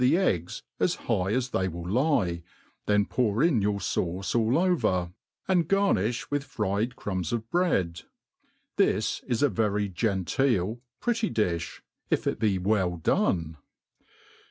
the eggs as high as they will lie, then pour in youi: fauce all o\^er, and garnifh with firied crumbs of bread* This is a very genteel pretty difb, if it be well done.